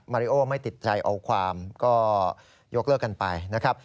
ริโอไม่ติดใจเอาความก็ยกเลิกกันไปนะครับ